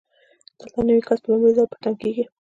دلته نوی کس په لومړي ځل په تنګ کېږي.